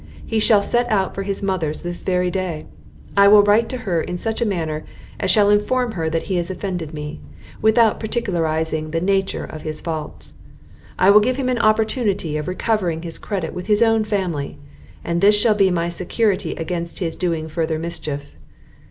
He shall set out for his mother's this very day; I will write to her in such a manner as shall inform her that he has offended me, without particularising the nature of his faults; I will give him an opportunity of recovering his credit with his own family, and this shall be my security against his doing further mischief.